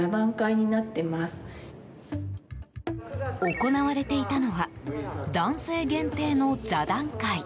行われていたのは男性限定の座談会。